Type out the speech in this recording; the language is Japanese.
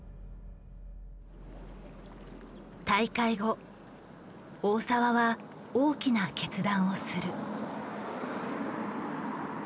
大会後大澤は大きな決断をする。